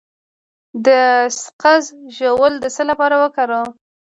د سقز ژوول د څه لپاره وکاروم؟